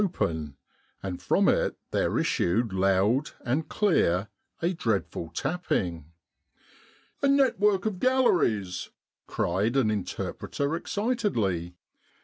At last it was open, and from it there issued loud and clear a dreadful tapping. " A network of galleries," cried an inter preter excitedly.